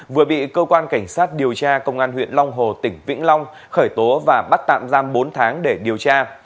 vừa bị cơ quan cảnh sát điều tra công an huyện long hồ tỉnh vĩnh long khởi tố và bắt tạm giam bốn tháng để điều tra